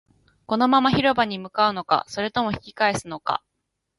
このまま広場に向かうのか、それとも引き返すのか